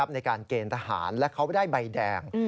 ในการเกณฑ์ทหารและเขาได้ใบแดง